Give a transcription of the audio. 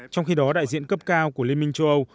trong khi đó đại diện cấp cao của liên minh châu âu